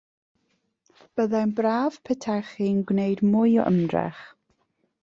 Byddai'n braf petaech chi'n gwneud mwy o ymdrech.